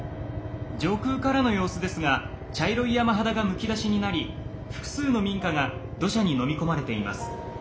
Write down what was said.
上空からの様子ですが茶色い山肌がむき出しになり複数の民家が土砂にのみ込まれています。